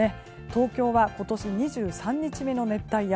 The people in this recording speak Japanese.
東京は、今年２３日目の熱帯夜。